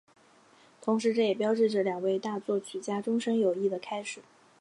同时这也标志着两位大作曲家终身友谊的开始。